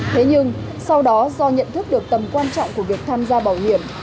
thế nhưng sau đó do nhận thức được tầm quan trọng của việc tham gia bảo hiểm